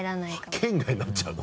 圏外になっちゃうの？